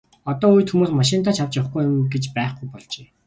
Одоо үед хүмүүс машиндаа авч явахгүй юм гэж байхгүй болжээ.